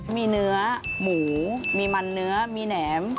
มีเนื้อหมูมีมันเนื้อมีแหนม